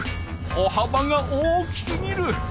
歩はばが大きすぎる。